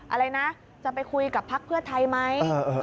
อะไรนะจะไปคุยกับพักเพื่อไทยไหม